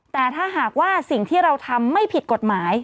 แต่ถ้าหากว่าสิ่งที่เราทำไม่ผิดกฎหมาย